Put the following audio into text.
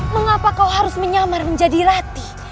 mengapa kau harus menyamar menjadi rati